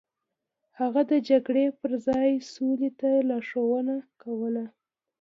هغه د جګړې پر ځای سولې ته لارښوونه کوله.